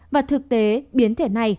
và thực tế biến thể này